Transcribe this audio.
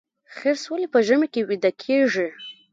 خرس ولې په ژمي کې ویده کیږي؟